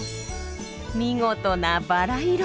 見事なバラ色！